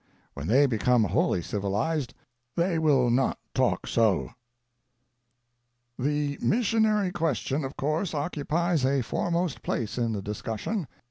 When they become wholly civilized they will not talk so: "The missionary question, of course, occupies a foremost place in the discussion.